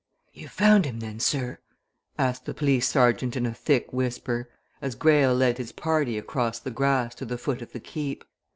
"You've found him, then, sir?" asked the police sergeant in a thick whisper, as Greyle led his party across the grass to the foot of the Keep.